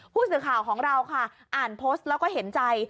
ผู้สื่อข่าวของเราค่ะอ่านโพสต์แล้วก็เห็นใจ